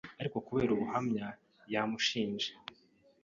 ariko kubera ubuhamya yamushinje